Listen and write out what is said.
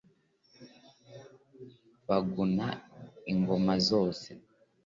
baguna ingoma zose